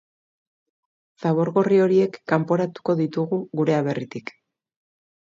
Zabor gorri horiek kanporatuko ditugu gure aberritik.